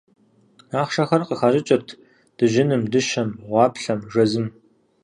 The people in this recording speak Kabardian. Ахъшэхэр къыхащӏыкӏырт дыжьыным, дыщэм, гъуаплъэм, жэзым.